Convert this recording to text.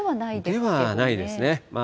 ではないですね。